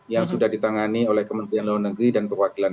yang sudah ditangani oleh kementerian luar negeri dan perwakilan